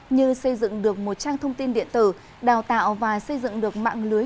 như xây dựng được một trang thông tin điện tử đào tạo và xây dựng được mạng lưới